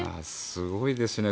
すごいですね